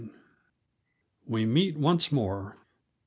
We Meet Once More.